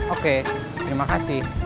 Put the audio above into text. oke terima kasih